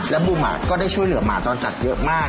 แล้วบุ๋มก็ได้ช่วยเหลือหมาจรจัดเยอะมาก